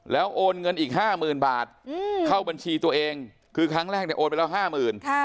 แล้วโอนเงินอีกห้าหมื่นบาทเข้าบัญชีตัวเองคือครั้งแรกเนี่ยโอนไปแล้วห้าหมื่น